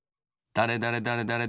だれだれだれだれ